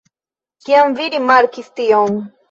Kiam vi rimarkis tion?